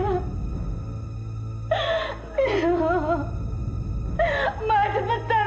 e histori sebentar